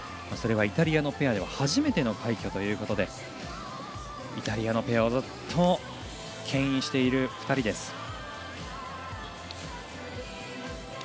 それはイタリアのペアでは初めての快挙ということでイタリアのペアをずっとけん引している２人です。